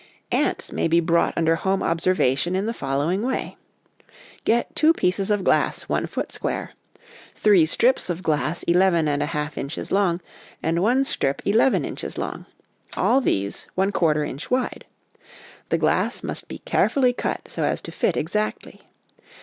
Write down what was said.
Ants may be brought under home observation in the following way : Get two pieces of glass I foot square, three strips of glass \\\ inches long, and one strip ii inches long, these all \ inch wide. The glass must be carefully cut so as to fit exactly.